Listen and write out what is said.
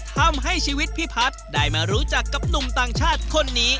ทำให้ชีวิตพี่พัฒน์ได้มารู้จักกับหนุ่มต่างชาติคนนี้